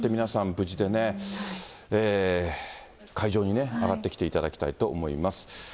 無事でね、海上に上がってきていただきたいと思います。